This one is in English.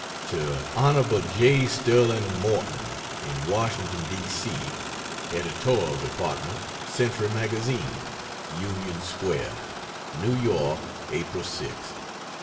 To Hon. J. Sterling Morton, in Washington, D. C.: Editorial Department Century Magazine, Union Square, NEW YORK, April 6, 1893.